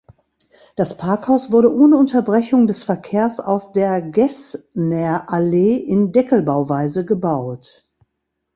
Das Parkhaus wurde ohne Unterbrechung des Verkehrs auf der Gessnerallee in Deckelbauweise gebaut.